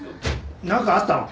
何かあったの？